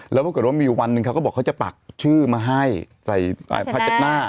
แล้วมีวันหนึ่งเขาก็บอกเขาจะปักชื่อมาให้ใส่พาชนา